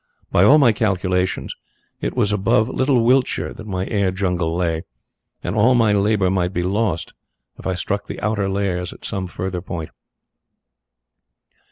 By all my calculations it was above little Wiltshire that my air jungle lay, and all my labour might be lost if I struck the outer layers at some farther point.